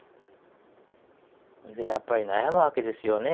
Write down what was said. やっぱり悩むわけですよね